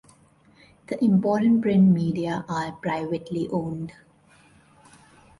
The important print media are privately owned.